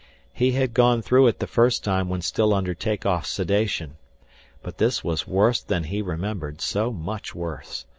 He had gone through it the first time when still under take off sedation. But this was worse than he remembered, so much worse.